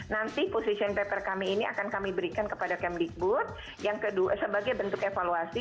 nanti position paper kami ini akan kami berikan kepada kem digbud sebagai bentuk evaluasi